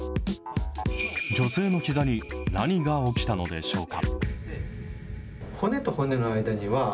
女性のひざに何が起きたのでしょうか。